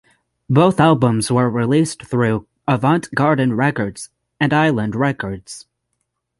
Both albums were released through Avant Garden Records and Island Records.